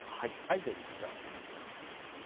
では一度手を洗いますね。